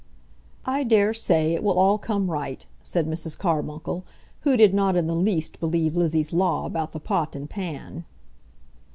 "I daresay it will all come right," said Mrs. Carbuncle, who did not in the least believe Lizzie's law about the pot and pan.